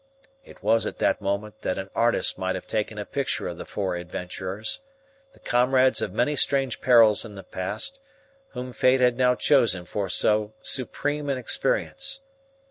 It was at that moment that an artist might have taken a picture of the four adventurers, the comrades of many strange perils in the past, whom fate had now chosen for so supreme an experience.